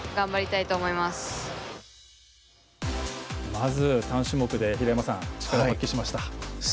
まず、３種目で力を発揮しました。